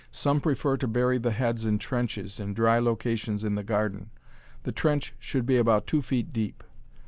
Some prefer to bury the heads in trenches, in dry locations in the garden. The trench should be about two feet deep.